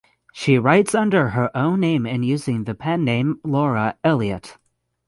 She writes under her own name and using the pen name "Laura Elliot".